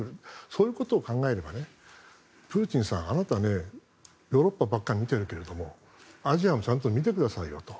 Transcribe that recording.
そういうことを考えればプーチンさん、あなたねヨーロッパばっかり見てるけどアジアもちゃんと見てくださいよと。